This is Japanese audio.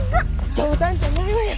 冗談じゃないわよ！